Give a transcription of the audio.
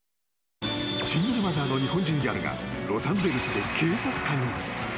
シングルマザーの日本人ギャルがロサンゼルスで警察官に。